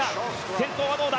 先頭はどうだ